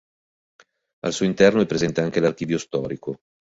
Al suo interno è presente anche l'archivio storico.